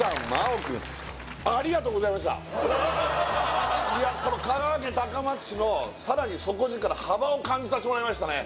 いやこの香川県高松市のさらに底力幅を感じさせてもらいましたね